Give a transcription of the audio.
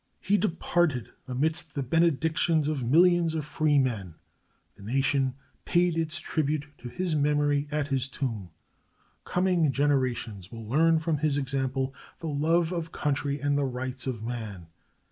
He departed amidst the benedictions of millions of free men. The nation paid its tribute to his memory at his tomb. Coming generations will learn from his example the love of country and the rights of man.